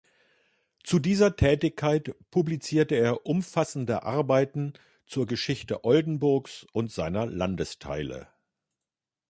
Zu dieser Tätigkeit publizierte er umfassende Arbeiten zur Geschichte Oldenburgs und seiner Landesteile.